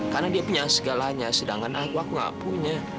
karena dia punya segalanya sedangkan aku aku gak punya